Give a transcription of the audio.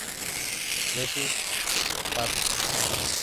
Design Patterns.